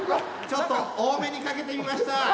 ちょっと多めにかけてみました！